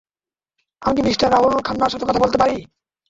আমি কী মিস্টার রাহুল খান্নার সাথে কথা বলতে পারি?